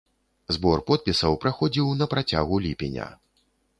Збор подпісаў праходзіў на працягу ліпеня.